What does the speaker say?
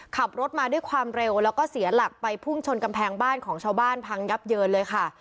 ขับรถมาด้วยความเร็วแล้วก็เสียหลักไปพุ่งชนกำแพงบ้านของชาวบ้านพังยับเยินเลยค่ะ